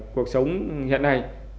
cuộc sống hiện nay